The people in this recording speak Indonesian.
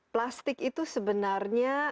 plastik itu sebenarnya